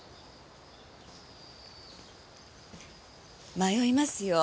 迷いますよ。